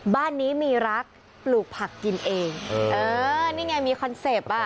บ้านนี้มีรักปลูกผักกินเองเออนี่ไงมีคอนเซ็ปต์อ่ะ